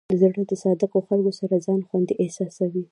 زړه د صادقو خلکو سره ځان خوندي احساسوي.